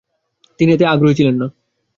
তিনি এতে আগ্রহী ছিলেন না।